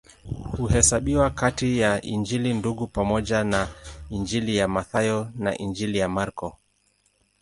Huhesabiwa kati ya Injili Ndugu pamoja na Injili ya Mathayo na Injili ya Marko.